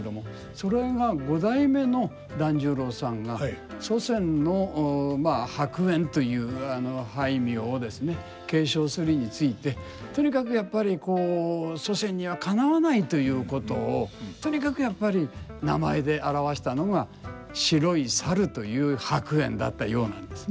それが五代目の團十郎さんが祖先の栢莚という俳名をですね継承するについてとにかくやっぱりこう祖先にはかなわないということをとにかくやっぱり名前で表したのが白い猿という白猿だったようなんですね。